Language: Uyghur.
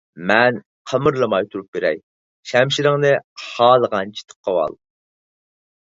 مەن قىمىرلىماي تۇرۇپ بېرەي، شەمشىرىڭنى خالىغانچە تىقىۋال!